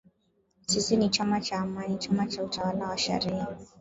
“Sisi ni chama cha Amani, chama cha utawala wa sharia."